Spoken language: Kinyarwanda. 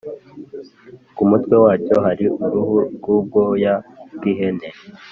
ku mutwe wacyo hari uruhu rw’ubwoya bw’ihene.